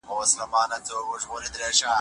ميرمن د کومو عذرونو له امله پاته کيدلای سي؟